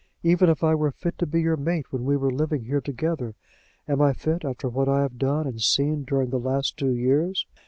Even if I were fit to be your mate when we were living here together, am I fit, after what I have done and seen during the last two years?